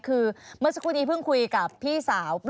คือเมื่อสักครู่นี้เพิ่งคุยกับพี่สาว